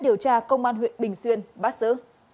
điều tra công an huyện bình xuyên bắt xử